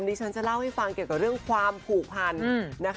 ดิฉันจะเล่าให้ฟังเกี่ยวกับเรื่องความผูกพันนะคะ